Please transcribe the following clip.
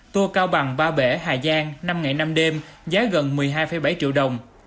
tour cao bằng ba bể hà giang năm ngày năm đêm giá gần một mươi hai bảy triệu đồng